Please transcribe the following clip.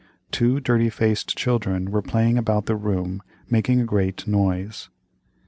Two dirty faced children were playing about the room, making a great noise.